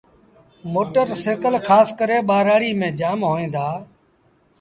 موٽر سآئيٚڪل کآس ڪري ٻآرآڙيٚ ميݩ جآم هئيٚن دآ۔